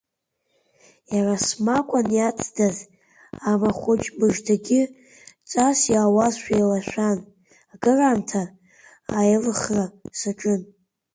Иара смакәан иаҵдаз амахәыҷ мыждагьы цас иауазшәа еилашәан, акыраамҭа аилыхара саҿын.